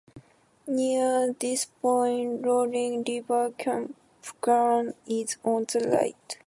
Near this point, Roaring River Campground is on the right.